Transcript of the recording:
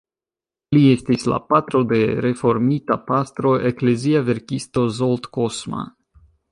Li estis la patro de reformita pastro, eklezia verkisto Zsolt Kozma.